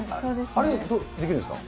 あれ、できるんですか。